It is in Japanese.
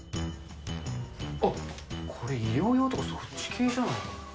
あっ、これ医療用とかそっち系じゃない。